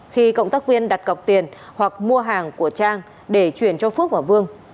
khi cộng tác viên đặt cọc tiền hoặc mua hàng của trang để chuyển cho phước và vương